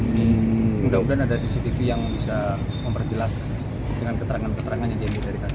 mudah mudahan ada cctv yang bisa memperjelas dengan keterangan keterangan yang diambil dari kakaknya